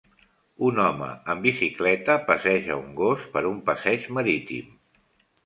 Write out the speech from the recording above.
Un home en bicicleta passeja un gos per un passeig marítim.